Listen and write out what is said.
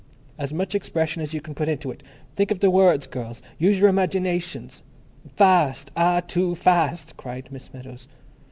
As much expression as you can put into it. Think of the words, girls. Use your imaginations. Fast! Ah, too Fast," cried Miss Meadows.